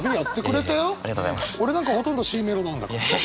俺なんかほとんどＣメロなんだから。